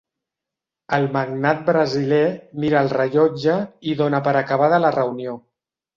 El magnat brasiler mira el rellotge i dona per acabada la reunió.